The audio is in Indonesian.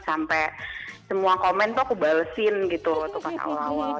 sampai semua komen tuh aku balesin gitu waktu pas awal awal